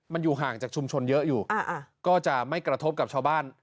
มันอยู่ห่างจากชุมชนเยอะอยู่ก็จะไม่กระทบกับชาวบ้าน